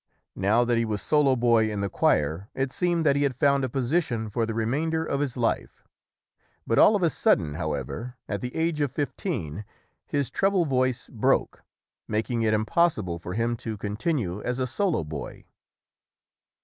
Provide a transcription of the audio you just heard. Now that he was solo boy in the choir it seemed that he had found a position for the remainder of his life, but all of a sudden, however, at the age of fifteen, his treble voice broke, making it impossible for him to con tinue as a solo boy.